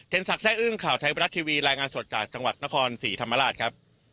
ศักดิ์อึ้งข่าวไทยบรัฐทีวีรายงานสดจากจังหวัดนครศรีธรรมราชครับ